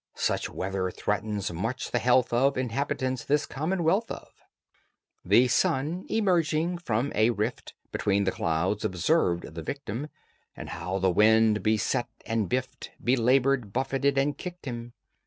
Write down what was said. Such weather threatens much the health of Inhabitants this Commonwealth of." The sun, emerging from a rift Between the clouds, observed the victim, And how the wind beset and biffed, Belabored, buffeted, and kicked him.